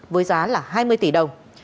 với giá là hai mươi tỷ đồng